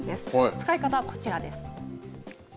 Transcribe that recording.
使い方はこちらです。